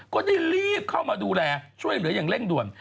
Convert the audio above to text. ก็ได้รีบเข้ามาดูแลช่วยเหลืออย่างเร่งด่วน